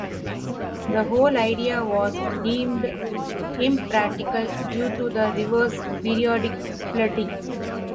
The whole idea was deemed impractical due to the river's periodic flooding.